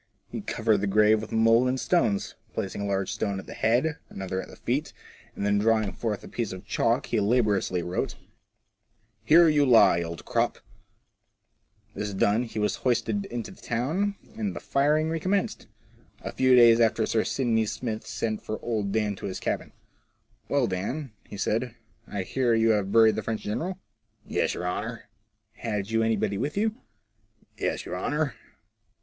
He covered the grave with mould and stones, placing a large stone at the head, another at the feet, and then drawing forth a piece of chalk he laboriously wrote, " Here you lie, Old Crop !'* This done he was hoisted into the town, and the firing recom *menced, A few days after Sir Sidney Smith sent for old Dan to his cabin. " Well, Dan," said he, '* I hear you have buried the French general ?"'* Yes, your honour." " Had you anybody with you ?"" Yes, your honour."